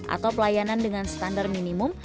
atau pelayanan dengan standar minimum